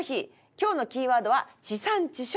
今日のキーワードは「地産地消」。